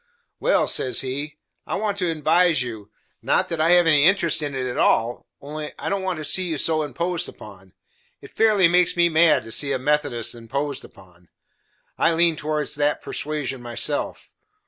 "Well," says he, "I want to advise you, not that I have any interest in it at all, only I don't want to see you so imposed upon. It fairly makes me mad to see a Methodist imposed upon; I lean towards that perswasion myself.